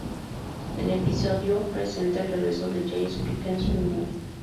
El episodio presenta el regreso de James Pickens Jr.